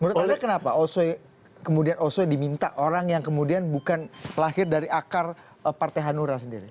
menurut anda kenapa kemudian oso diminta orang yang kemudian bukan lahir dari akar partai hanura sendiri